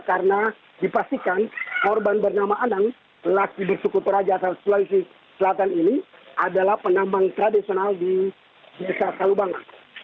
karena dipastikan korban bernama anang laki bersuku perajaan sulawesi selatan ini adalah penambang tradisional di desa salubanga